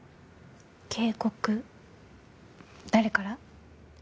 警告誰から？